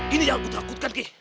ini yang aku takutkan keh